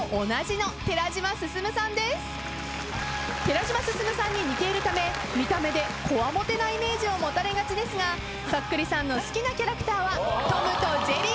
寺島進さんに似ているため見た目でこわもてなイメージを持たれがちですがそっくりさんの好きなキャラクターはトムとジェリーだそうです。